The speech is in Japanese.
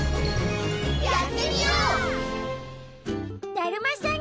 だるまさん